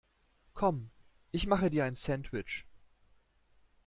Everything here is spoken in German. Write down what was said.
Komm, ich mache dir ein Sandwich.